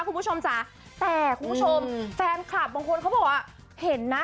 คุณผู้ชมจ๋าแต่คุณผู้ชมแฟนคลับบางคนเขาบอกว่าเห็นนะ